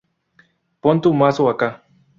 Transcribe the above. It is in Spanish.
Pon tu Mazo acá.